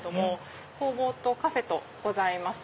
工房とカフェとございます。